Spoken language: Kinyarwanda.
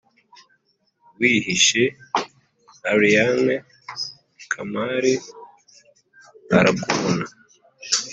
wihishe allayne kamali arrakubona.